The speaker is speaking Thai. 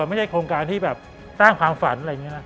ไม่ใช่โครงการที่ตั้งความฝัน